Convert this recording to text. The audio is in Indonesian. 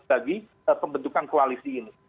bagi pembentukan koalisi ini